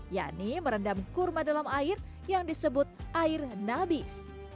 yakni merendam kurma dalam air yang disebut air nabis